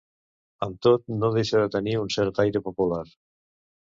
Amb tot, no deixa de tenir un cert aire popular.